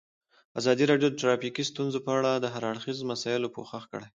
ازادي راډیو د ټرافیکي ستونزې په اړه د هر اړخیزو مسایلو پوښښ کړی.